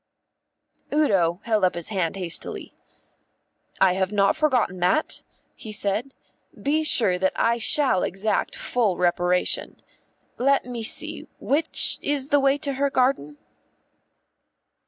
Udo held up his hand hastily. "I have not forgotten that," he said. "Be sure that I shall exact full reparation. Let me see; which is the way to her garden?"